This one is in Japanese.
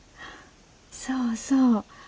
そうそう。